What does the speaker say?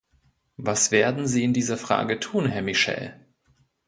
Was werden Sie in dieser Frage tun, Herr Michel?